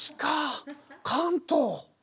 関東！